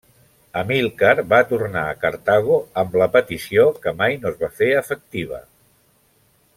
Amílcar va tornar a Cartago amb la petició, que mai no es va fer efectiva.